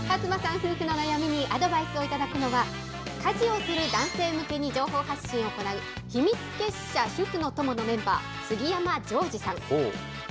夫婦の悩みにアドバイスを頂くのは、家事をする男性向けに情報発信を行う、秘密結社主夫の友のメンバー、杉山錠士さん。